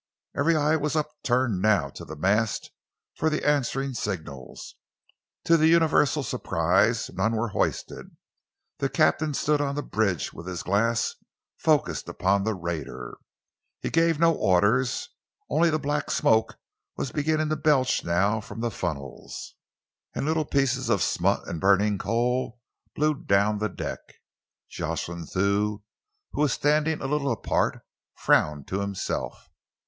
Every eye was upturned now to the mast for the answering signals. To the universal surprise, none were hoisted. The captain stood upon the bridge with his glass focussed upon the raider. He gave no orders, only the black smoke was beginning to belch now from the funnels, and little pieces of smut and burning coal blew down the deck. Jocelyn Thew, who was standing a little apart, frowned to himself.